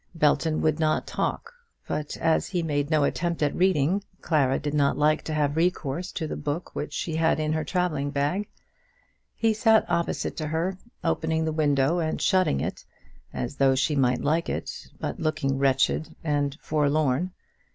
Belton would not talk; but as he made no attempt at reading, Clara did not like to have recourse to the book which she had in her travelling bag. He sat opposite to her, opening the window and shutting it as he thought she might like it, but looking wretched and forlorn.